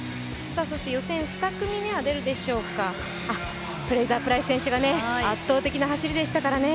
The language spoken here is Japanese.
そして予選２組目はフレイザープライス選手が圧倒的な走りでしたからね。